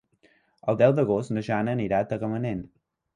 El deu d'agost na Jana anirà a Tagamanent.